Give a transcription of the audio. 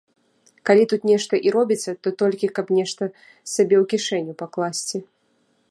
Калі тут нешта і робіцца, то толькі, каб нешта сабе ў кішэню пакласці.